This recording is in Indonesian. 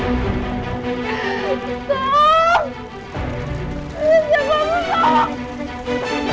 ini dia bapak tuh